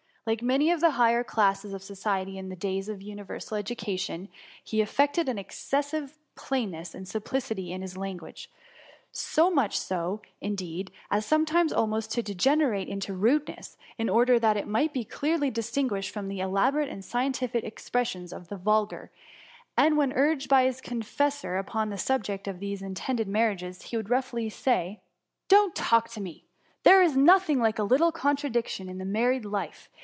Like many of the higher classes of society in those days of uni versal education, he affected an excessive plain ness; and simplicity in his language; so much so, indeed, as sometimes almost to degenerate into rudeness, in order that it might be clearly distinguished from the elaborate and scientific expressions of the vulgar ; and when urged by his confessor upon the subject of these intended marriages, he would roughly say, " Don H talk to me ; there is nothing like a little con tradiction in the married life.